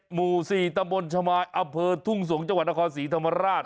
๔๗หมู่๔ตมชมอทุ่งสงศ์จศรีธรรมราช